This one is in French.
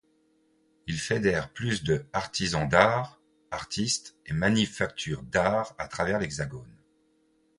Il fédère plus de artisans d'art, artistes et manufactures d'art à travers l’Hexagone.